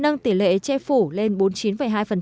nâng tỷ lệ che phủ lên bốn mươi chín hai